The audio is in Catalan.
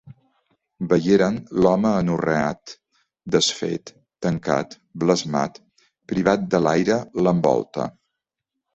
Veieren l'home anorreat, desfet, tancat, blasmat, privat de l'aire l'envolta.